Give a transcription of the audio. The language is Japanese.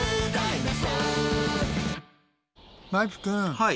はい。